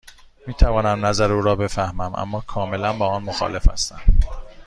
می توانم نظر او را بفهمم، اما کاملا با آن مخالف هستم.